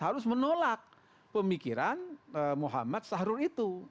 harus menolak pemikiran muhammad sahrul itu